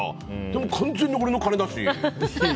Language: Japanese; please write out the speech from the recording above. でも完全に俺の金だし。